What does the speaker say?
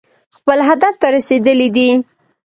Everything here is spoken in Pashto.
خپل هدف ته رسېدلي دي.